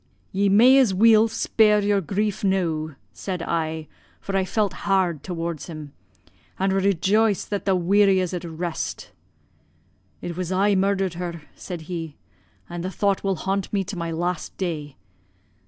"'Ye may as weel spare your grief noo,' said I, for I felt hard towards him, 'an' rejoice that the weary is at rest.' "'It was I murdered her,' said he, 'an' the thought will haunt me to my last day.